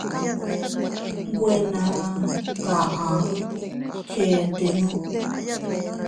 Nwe naa kaʼa mchetenuu.